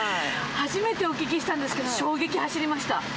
初めてお聞きしたんですけど衝撃走りました。